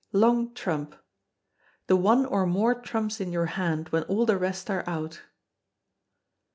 Long Trump, the one or more trumps in your hand when all the rest are out.